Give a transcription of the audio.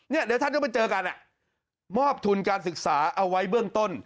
เนี่ยเดี๋ยวท่านก็ไปเจอกันอ่ะมอบทุนการศึกษาเอาไว้เบื้องต้น